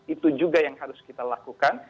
itu juga yang harus kita lakukan